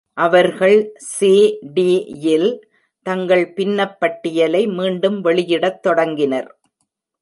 அவர்கள் சி.டி.யில் தங்கள் பின்னப் பட்டியலை மீண்டும் வெளியிடத் தொடங்கினர்.